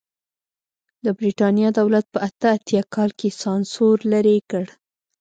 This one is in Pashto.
د برېټانیا دولت په اته اتیا کال کې سانسور لرې کړ.